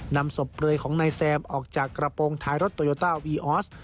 นำศพเปลือยของนายแซมออกจากกระโปรงท้ายรถโตโยต้าวีออส